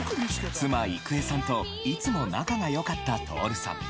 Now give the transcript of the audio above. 妻郁恵さんといつも仲が良かった徹さん。